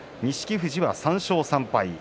富士は３勝３敗。